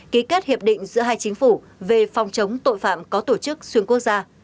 ký kết hiệp định giữa hai chính phủ về phòng chống tội phạm có tổ chức xuyên quốc gia